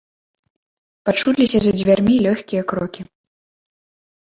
Пачуліся за дзвярмі лёгкія крокі.